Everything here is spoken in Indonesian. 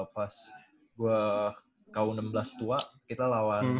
pas gua ku enam belas tua kita lawan